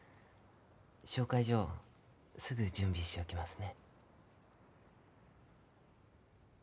紹介状すぐ準備しておきますね。